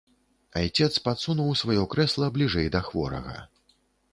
Айцец падсунуў сваё крэсла бліжэй да хворага.